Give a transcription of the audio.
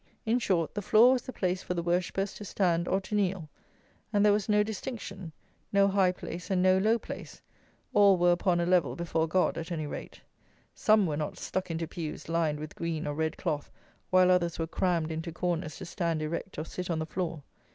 In short, the floor was the place for the worshippers to stand or to kneel; and there was no distinction; no high place and no low place; all were upon a level before God at any rate. Some were not stuck into pews lined with green or red cloth, while others were crammed into corners to stand erect or sit on the floor.